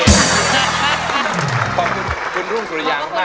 ขอบคุณครูภูมิสุรารยามมาก